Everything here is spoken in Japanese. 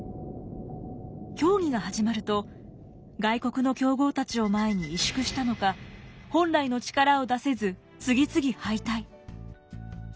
競技が始まると外国の強豪たちを前に萎縮したのか本来の力を出せず次々敗退。